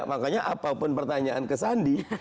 makanya apapun pertanyaan ke sandi